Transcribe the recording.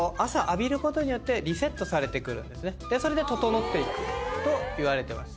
それで整っていくといわれてます。